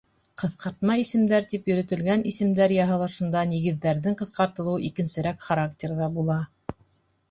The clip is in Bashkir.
Ҡыҫҡартма исемдәр тип йөрөтөлгән исемдәр яһалышында нигеҙҙәрҙең ҡыҫҡартылыуы икенсерәк характерҙа була.